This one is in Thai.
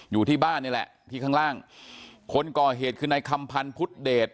อยู่ที่บ้านนี่แหละที่ข้างล่างคนก่อเหตุคือนายคำพันธ์พุทธเดช